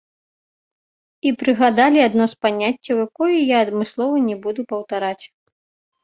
І прыгадалі адно з паняццяў, якое я адмыслова не буду паўтараць.